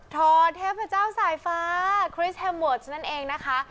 ท่อเทพเจ้าสายฟ้าคริสเฮมเวอร์ท่านเองนะคะ